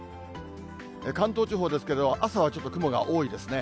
関東地方ですけれども、朝はちょっと雲が多いですね。